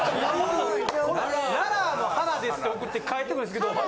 「ララーの花です」って送って返ってくるんですけど。